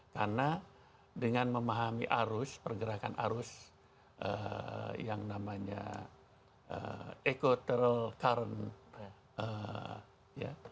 karena dengan memahami arus pergerakan arus yang namanya equatorial current